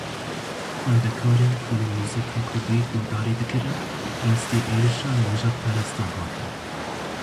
Xwendekarên ku li muzîka kurdî guhdarî dikirin rastî êrişa nijadperestan hatin.